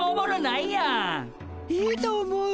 いいと思う！